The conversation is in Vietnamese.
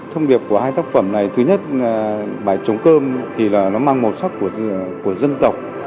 thông điệp của hai tác phẩm này thứ nhất bài chống cơm thì nó mang màu sắc của dân tộc